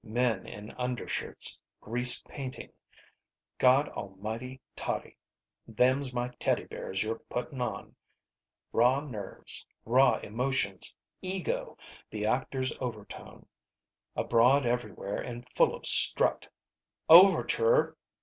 Men in undershirts, grease painting. "Gawdalmighty, Tottie, them's my teddy bears you're puttin' on." Raw nerves. Raw emotions. Ego, the actor's overtone, abroad everywhere and full of strut. "Overture!"